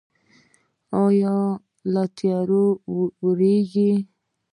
ایا له تیاره ویریږئ؟